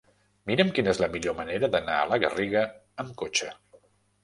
Mira'm quina és la millor manera d'anar a la Garriga amb cotxe.